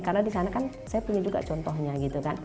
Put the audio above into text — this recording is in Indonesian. karena di sana kan saya punya juga contohnya